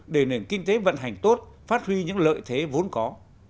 để nền kinh tế vận hành tốt phát huy những lợi thế vốn có